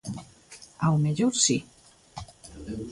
Ao mellor si.